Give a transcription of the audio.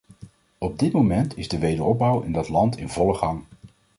Op dit moment is de wederopbouw in dat land in volle gang.